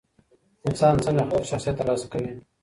انسان څنګه خپل شخصیت ترلاسه کوي؟